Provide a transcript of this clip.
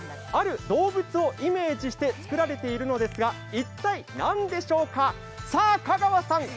ある動物をイメージして作られているのですが、一体、なんでしょうか？